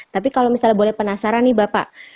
tapi kalau misalnya boleh penasaran nih bapak